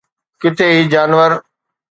ڪٿي هي جانور